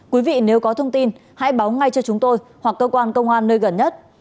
quý vị nếu có thông tin hãy báo ngay cho chúng tôi hoặc cơ quan công an nơi gần nhất